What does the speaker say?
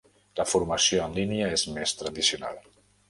La formació en línia és més tradicional.